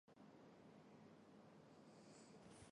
他成为了保育运动中的一个象征性人物。